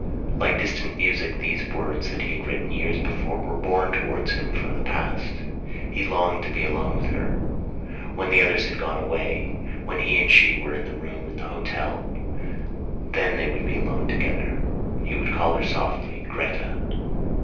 Like distant music these words that he had written years before were borne towards him from the past. He longed to be alone with her. When the others had gone away, when he and she were in their room in the hotel, then they would be alone together. He would call her softly: "Gretta!"